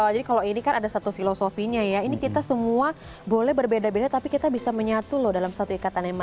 jadi kalau ini kan ada satu filosofinya ya ini kita semua boleh berbeda beda tapi kita bisa menyatu loh dalam satu ikatan yang sama